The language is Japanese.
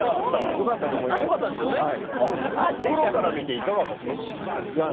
プロから見ていかがだったんですか？